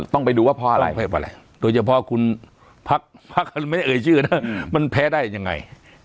ต้องไปดูว่าเพราะอะไรโดยเฉพาะคุณพักไม่เอ่ยชื่อนะมันแพ้ได้ยังไง